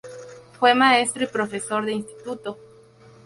Fue maestro y profesor de instituto.